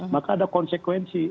maka ada konsekuensi